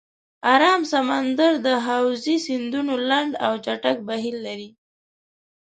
آرام سمندر د حوزې سیندونه لنډ او چټک بهیر لري.